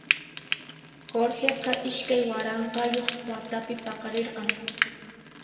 Jorgeqa iskay waranqayuq watapi paqarirqan.